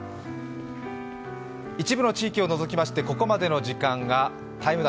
一部の地域を除きまして、ここまでの時間が「ＴＩＭＥ’」。